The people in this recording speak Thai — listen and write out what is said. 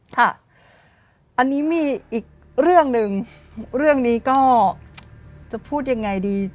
ค่ะอันนี้มีอีกเรื่องหนึ่งเรื่องนี้ก็จะพูดยังไงดี